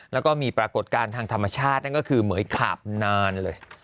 แล้วก็มีปรากฏการณ์ทางธรรมชาตินั่นก็คือเหมือยขาบนานเลย